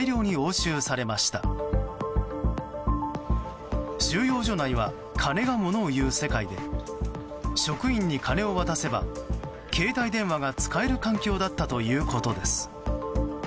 収容所内は金がものをいう世界で職員に金を渡せば携帯電話が使える環境だったということです。